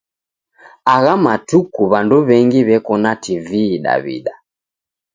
Agha matuku w'andu w'engi w'eko na TV Daw'ida.